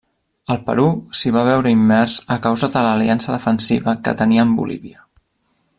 El Perú s'hi va veure immers a causa de l'aliança defensiva que tenia amb Bolívia.